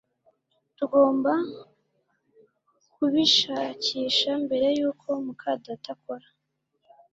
Tugomba kubishakisha mbere yuko muka data akora